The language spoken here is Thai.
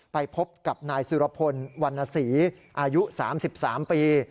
ไปพบกับนายสุรพลวรรณศรีอายุ๓๓ปี